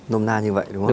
nôm na như vậy đúng không